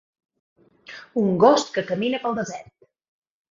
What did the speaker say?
Un gos que camina pel desert.